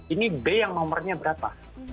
ini b yang nomornya berapa